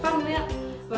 thì nó học đấy quên luôn